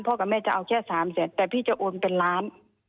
กับแม่จะเอาแค่๓แสนแต่พี่จะโอนเป็นล้าน